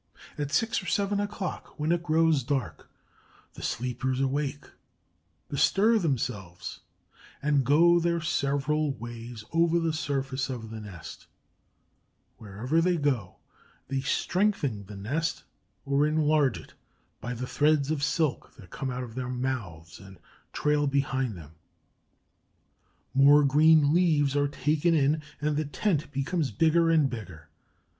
At six or seven o'clock, when it grows dark, the sleepers awake, bestir themselves, and go their several ways over the surface of the nest. Wherever they go, they strengthen the nest or enlarge it by the threads of silk that come out of their mouths and trail behind them. More green leaves are taken in, and the tent becomes bigger and bigger.